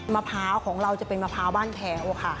มะพร้าวของเราจะเป็นมะพร้าวบ้านแพ้วค่ะ